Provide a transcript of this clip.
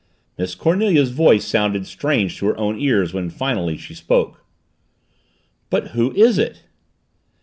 Miss Cornelia's voice sounded strange to her own ears when finally she spoke. "But who is it?"